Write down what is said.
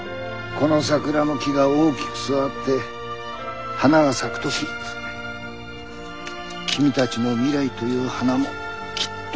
この桜の木が大きく育って花が咲く時君たちの未来という花もきっと咲く。